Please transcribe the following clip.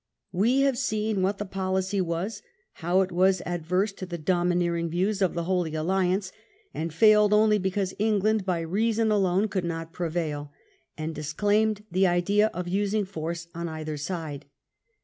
We have seen what the policy was, how it Was adverse to the domineering views ef the Holy Alliance, and failed only because England by reason alone could not prevail, and dis claimed the idea of using force on either side.